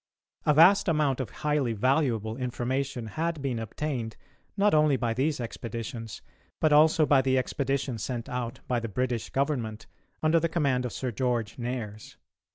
A vast amount of highly valuable information had been obtained, not only by these expeditions, but also by the expedition sent out by the British Government under the command of Sir George Nares.